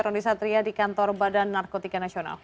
roni satria di kantor badan narkotika nasional